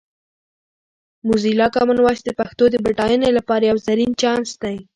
موزیلا کامن وایس د پښتو د بډاینې لپاره یو زرین چانس دی.